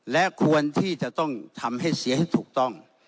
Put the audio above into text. และควรที่จะต้องทำให้เสียให้ถูกต้อง